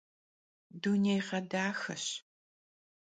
Dunêyğedaxeş.